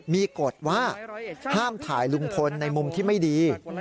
มีกฎว่าห้ามถ่ายลุงพลในมุมที่ไม่ดี